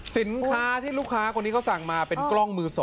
สินค้าที่ลูกค้าคนนี้เขาสั่งมาเป็นกล้องมือ๒